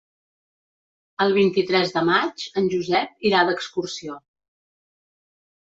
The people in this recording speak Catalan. El vint-i-tres de maig en Josep irà d'excursió.